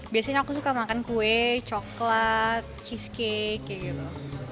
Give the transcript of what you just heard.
biasanya aku suka makan kue coklat cheesecake kayak gitu